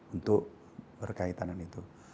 untuk berkaitan dengan itu